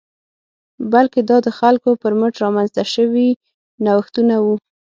بلکې دا د خلکو پر مټ رامنځته شوي نوښتونه وو